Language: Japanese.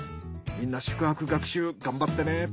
みんな宿泊学習頑張ってね！